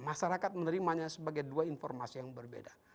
masyarakat menerimanya sebagai dua informasi yang berbeda